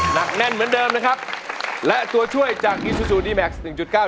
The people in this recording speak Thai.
หนักแน่นเหมือนเดิมนะครับและตัวช่วยจากอีซูซูดีแม็กซ์หนึ่งจุดเก้า